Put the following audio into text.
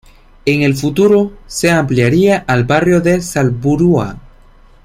En el futuro, se ampliaría al barrio de Salburua.